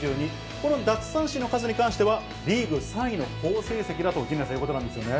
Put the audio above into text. この奪三振の数に関しては、リーグ３位の好成績だと、陣内さん、いうことなんですね。